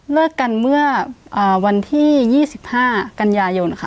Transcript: เลิกกันเมื่อวันที่๒๕กันยายนค่ะ